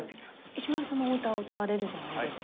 石丸さんもお歌を歌われるじゃないですか。